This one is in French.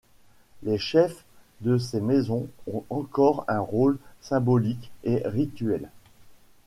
Les chefs de ces maisons ont encore un rôle symbolique et rituel.